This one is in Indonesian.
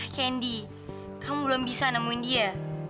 kendi kamu belum bisa nemuin dia